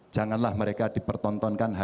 janganlah mereka dipertontonkan